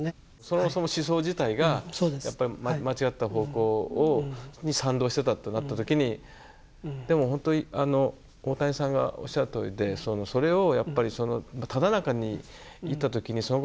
その思想自体がやっぱり間違った方向に賛同してたってなった時にでも本当に大谷さんがおっしゃるとおりでそれをやっぱりそのただ中にいた時にそのことを相対的に考えられるか。